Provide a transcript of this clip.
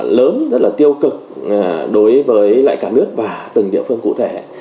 lớn rất là tiêu cực đối với lại cả nước và từng địa phương cụ thể